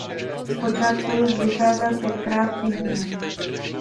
Zpočátku list vycházel pětkrát týdně.